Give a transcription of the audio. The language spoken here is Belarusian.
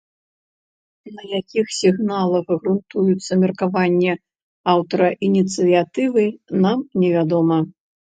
На якіх сігналах грунтуецца меркаванне аўтара ініцыятывы, нам невядома.